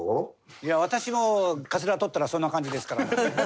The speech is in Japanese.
いや私もかつら取ったらそんな感じですから。